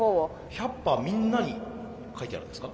１００羽みんなに書いてあるんですか？